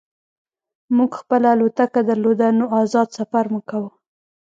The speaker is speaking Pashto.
موږ خپله الوتکه درلوده نو ازاد سفر مو کاوه